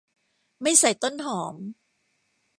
ไม่ใส่ต้นหอม